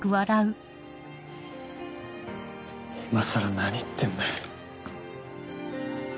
今更何言ってんだよ。